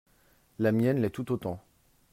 La mienne l’est tout autant.